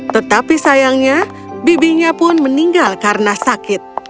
tetapi sayangnya bibinya pun meninggal karena sakit